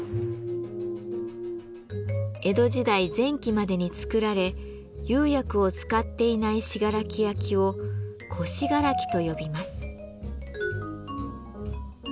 江戸時代前期までに作られ釉薬を使っていない信楽焼を「古信楽」と呼びます。